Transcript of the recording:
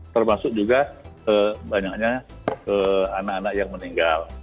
termasuk juga banyaknya anak anak yang meninggal